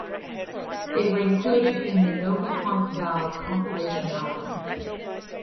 They were included in the "Novi Punk Val" compilation album.